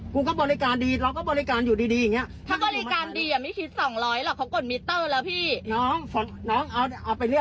กูก็บริการดีเราก็บริการอยู่ดีเงี้ย